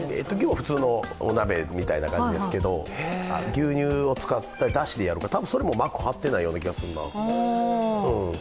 普通のお鍋みたいな感じですけど、牛乳を使っただしでやるみたいな、それも膜張ってない気がするな。